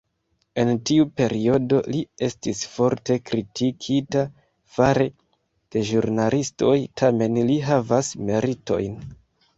En tiu periodo li estis forte kritikita fare de ĵurnalistoj, tamen li havas meritojn.